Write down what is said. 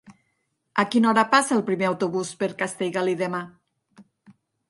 A quina hora passa el primer autobús per Castellgalí demà?